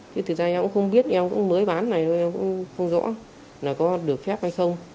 chứ thực ra em cũng không biết em cũng mới bán này em cũng không rõ là có được phép hay không